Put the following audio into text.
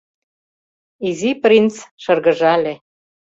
Изи принц шыргыжале: